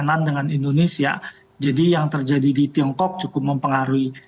dua puluh an dengan indonesia jadi yang terjadi di tiongkok cukup mempengaruhi